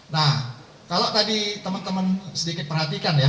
nah kalau tadi teman teman sedikit perhatikan ya